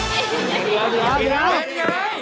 เป็นไง